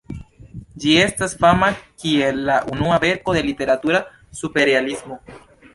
Ĝi estas fama kiel la unua verko de literatura Superrealismo.